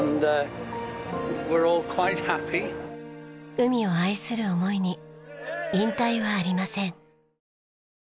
海を愛する思いに引退はありません。